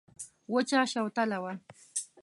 وچه شوتله وه.